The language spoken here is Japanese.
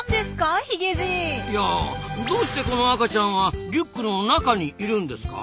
いやどうしてこの赤ちゃんはリュックの中にいるんですか？